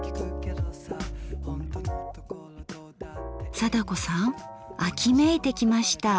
貞子さん秋めいてきました。